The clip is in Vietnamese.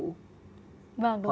vâng đúng rồi